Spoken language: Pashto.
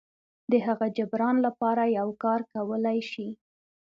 د هغه جبران لپاره یو کار کولی شي.